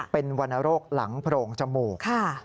เป็นวรรณโรคหลังโพรงจมูก